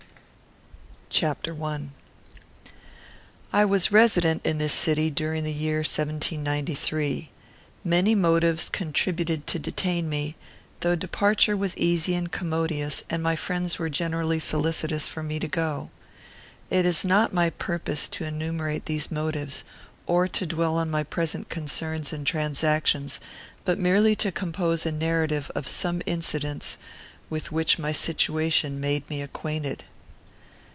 CHAPTER I. I was resident in this city during the year 1793. Many motives contributed to detain me, though departure was easy and commodious, and my friends were generally solicitous for me to go. It is not my purpose to enumerate these motives, or to dwell on my present concerns and transactions, but merely to compose a narrative of some incidents with which my situation made me acquainted.